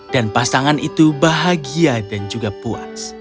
dan pasangan itu bahagia dan juga puas